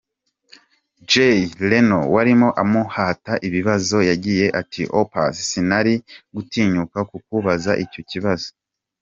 Jay Leno warimo amuhata ibibazo yagize ati “Oups, sinari gutinyuka kukubaza icyo kibazo”.